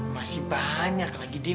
masih banyak lagi dim